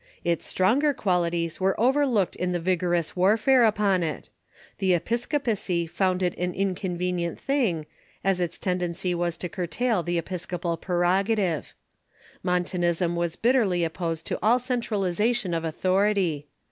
Its stronger quali ties were overlooked in the vigorous warfare upon it. The episcopacy found it an inconvenient thing, as its tendency was to curtail the episcopal prerogative, Montanism was bitterly opposed to all centralization of authority.